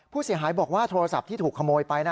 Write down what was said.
ผู้เสียหายบอกว่าโทรศัพท์ที่ถูกขโมยไปนะ